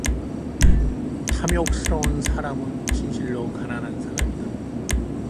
탐욕스러운 사람은 진실로 가난한 사람이다.